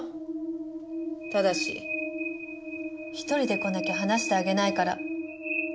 ただし１人で来なきゃ話してあげないから。